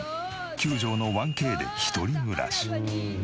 ９畳の１Ｋで一人暮らし。